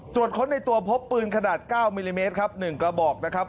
ค้นในตัวพบปืนขนาด๙มิลลิเมตรครับ๑กระบอกนะครับ